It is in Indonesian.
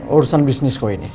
urusan bisnis kok ini